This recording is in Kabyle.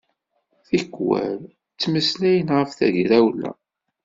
Tikwal ttmeslayen ɣef tegrawla.